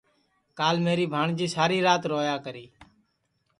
کال میری بھانٚٹؔجی ساری رات رویا کری